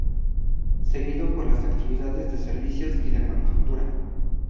Seguido por las actividades de servicios y de manufactura.